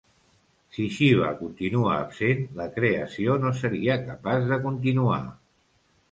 Si Xiva continua absent, la creació no seria capaç de continuar.